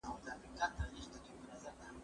زه اوس کتابتون ته راځم!!